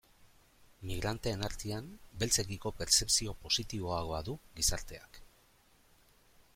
Migranteen artean, beltzekiko pertzepzio positiboagoa du gizarteak.